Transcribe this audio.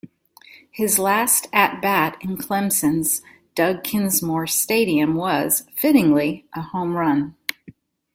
His last at-bat in Clemson's Doug Kingsmore Stadium was, fittingly, a home run.